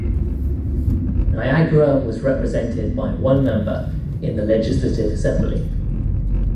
Niagara was represented by one member in the Legislative Assembly.